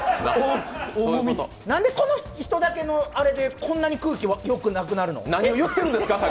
何でこの人だけのあれで、こんなに空気よくなくなるの？